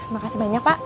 terima kasih banyak pak